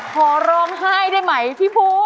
ขอร้องไห้ได้ไหมพี่ภู